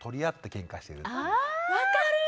分かる！